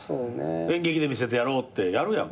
演劇で見せてやろうってやるやんか。